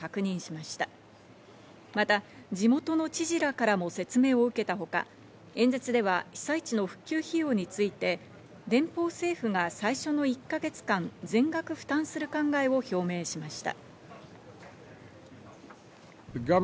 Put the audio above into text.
また、地元の知事らからも説明を受けたほか、演説では被災地の復旧費用について連邦政府が最初の１か月間、全額負担する考えを表明しました。